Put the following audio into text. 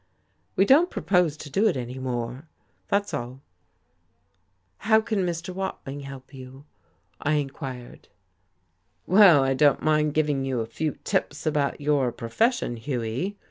We don't propose to do it any more that's all." "How can Mr. Watling help you?" I inquired. "Well, I don't mind giving you a few tips about your profession, Hughie.